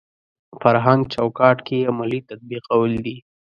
فرهنګ چوکاټ کې عملي تطبیقول دي.